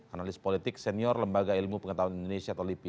analis politik senior lembaga ilmu pengetahuan indonesia atau lipi